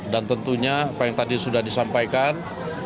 dan tentunya apa yang tadi sudah disampaikan